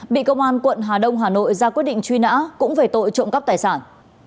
bị công an quận hà đông hà nội ra quyết định truy nã cũng về tội trộm cắp tài sản